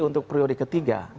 untuk priode ketiga